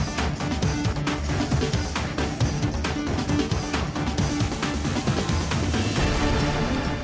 ขอบคุณมากค่ะขอบคุณมากครับไทยรัฐทีวีครับ